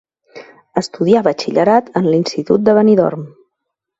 Estudià Batxillerat en l'institut de Benidorm.